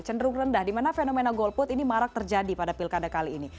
cenderung rendah di mana fenomena golput ini marak terjadi pada pilkada kali ini